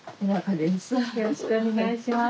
よろしくお願いします。